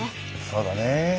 そうだね。